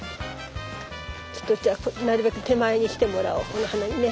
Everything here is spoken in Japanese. ちょっとじゃあなるべく手前に来てもらおうこの花にね。